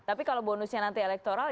tapi kalau bonusnya nanti elektoral